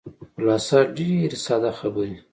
خلاصه ډېرې ساده خبرې.